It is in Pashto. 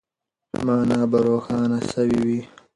مانا به روښانه سوې وي.